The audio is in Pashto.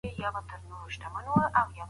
که بل چا څېړنه کړې وي نو تکرار یې مه کوئ.